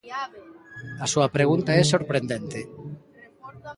A súa pregunta é sorprendente.